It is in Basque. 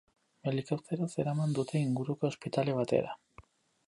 Helikopteroz eraman dute inguruko ospitale batera.